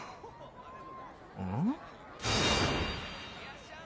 うん？